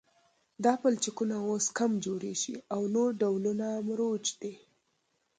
دا پلچکونه اوس کم جوړیږي او نور ډولونه مروج دي